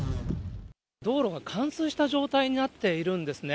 道路が冠水した状態になっているんですね。